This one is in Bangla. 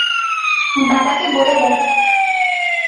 বাবাকে বলে দেখ।